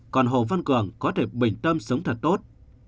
còn hồ văn cường có thể bình tâm sống thật tốt